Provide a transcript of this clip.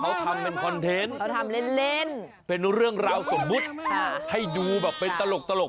เขาทำเป็นคอนเทนต์เขาทำเล่นเป็นเรื่องราวสมมุติให้ดูแบบเป็นตลก